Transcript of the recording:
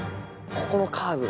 ここのカーブが。